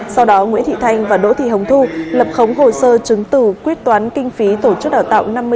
sau đó nguyễn thị thanh và đỗ thị hồng thu lập khống hồ sơ chứng từ quyết toán kinh phí tổ chức đào tạo